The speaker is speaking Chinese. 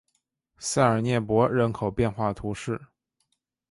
塞尔涅博人口变化图示